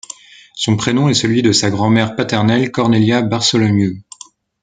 Son prénom est celui de sa grand-mère paternelle, Cornélia Bartholomew.